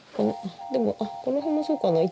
でもこの辺もそうかな。